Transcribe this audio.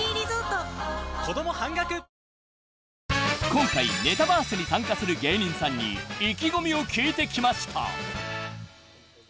［今回ネタバースに参加する芸人さんに意気込みを聞いてきました］